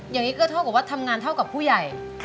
อย่างนี้ก็เท่ากับว่าทำงานเท่ากับผู้ใหญ่